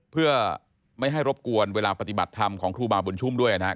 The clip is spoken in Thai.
เพื่อไม่ให้รบกวนเวลาปฏิบัติธรรมของครูบาบุญชุ่มด้วยนะครับ